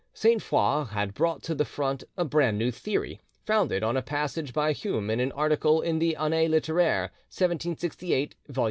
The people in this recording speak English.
Sainte Foix had brought to the front a brand new theory, founded on a passage by Hume in an article in the 'Annee Litteraire (1768, vol.